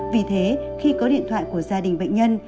vì thế khi có điện thoại của gia đình bệnh nhân